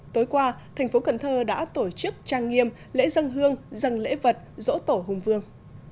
tối qua thành phố cần thơ đã tổ chức trang nghiêm lễ dân hương dân lễ vật dỗ tổ hùng vương